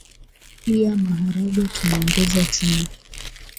ia maharagwe tumeongeza chuma